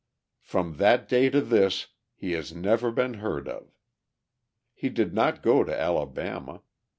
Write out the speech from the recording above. From that day to this he has never been heard of. He did not go to Alabama.